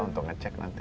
untuk ngecek nanti